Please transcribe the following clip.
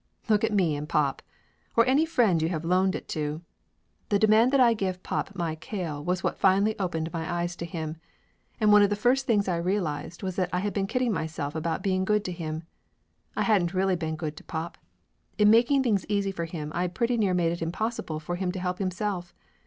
Look at me and pop ! Or any friend you have loaned it to ! The demand that I give pop my kale was what finally opened my eyes to him. And one of the first things I realized was that I had been kidding myself about being good to him. I hadn't really been good to pop. In making things easy for him I'd pretty near made it impossible for him to help himself.